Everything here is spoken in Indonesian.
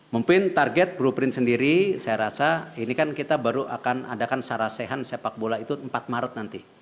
mungkin target blueprint sendiri saya rasa ini kan kita baru akan adakan sarasehan sepak bola itu empat maret nanti